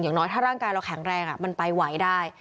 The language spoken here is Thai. อย่างน้อยถ้าร่างกายเราแข็งแรงมันไปไหวได้